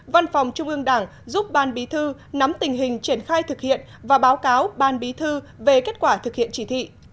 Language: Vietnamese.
văn phòng trung ương đảng giúp ban bí thư nắm tình hình triển khai thực hiện và báo cáo ban bí thư về kết quả thực hiện chỉ thị